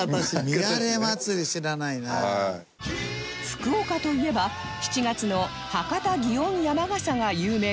福岡といえば７月の博多園山笠が有名ですが